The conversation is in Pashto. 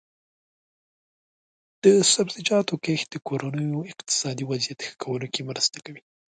د سبزیجاتو کښت د کورنیو اقتصادي وضعیت ښه کولو کې مرسته کوي.